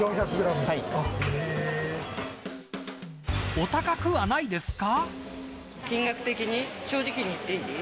お高くはないですか。